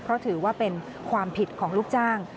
เพราะถือว่าเป็นความผิดของลูกจ้าง